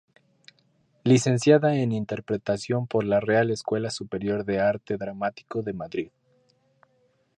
Licenciada en Interpretación por la Real Escuela Superior de Arte Dramático de Madrid.